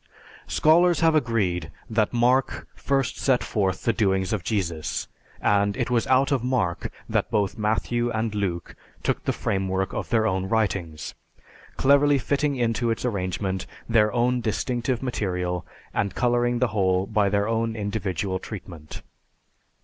Scholars have agreed that Mark first set forth the doings of Jesus and "it was out of Mark that both Matthew and Luke took the framework of their own writings, cleverly fitting into its arrangement their own distinctive material and coloring the whole by their own individual treatment."